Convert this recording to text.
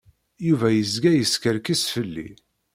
Yuba yezga yeskerkis fell-i.